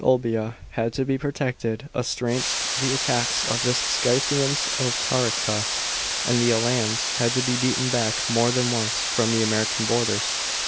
Olbia had to be protected asrainst the attacks of the Scythians of Taurica, and the Alans had to be beaten back more than once from the Armenian borders.